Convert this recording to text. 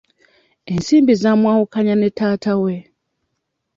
Ensimbi zamwawukanya ne taata we.